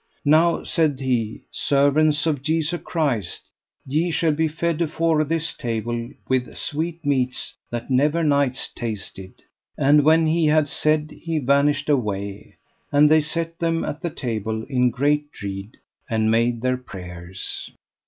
Now, said he, servants of Jesu Christ, ye shall be fed afore this table with sweet meats that never knights tasted. And when he had said, he vanished away. And they set them at the table in great dread, and made their prayers.